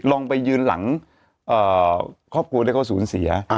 ลองไปยืนหลังครอบครัวได้เข้าศูนย์เสีย